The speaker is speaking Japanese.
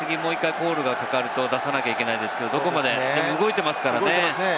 コールがかかると出さなきゃいけないですけれども、動いていますからね。